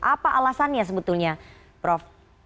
apa alasannya sebetulnya prof